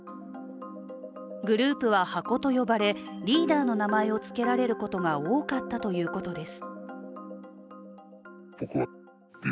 グループは箱と呼ばれ、リーダーの名前をつけられることが多かったということです。